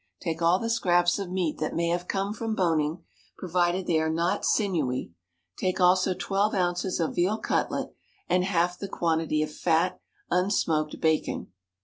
Take all the scraps of meat that may have come from boning, provided they are not sinewy; take also twelve ounces of veal cutlet, and half the quantity of fat unsmoked bacon.